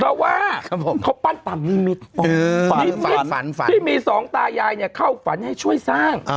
เพราะว่าเขาปั้นตามนิมิตรนิมิตที่มีสองตายายเข้าฝันให้ช่วยสร้าง